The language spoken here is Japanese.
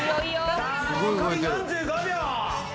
さあ残り４５秒。